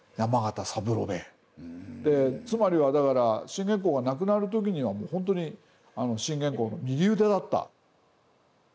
つまりはだから信玄公が亡くなる時にはもうほんとに信玄公の右腕だった。